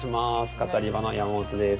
カタリバの山本です。